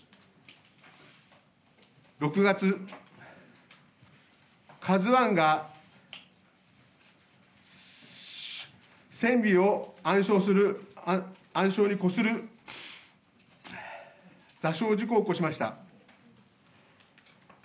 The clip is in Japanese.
６月、カズワンが船尾を暗礁にこする座礁事故を起こしました。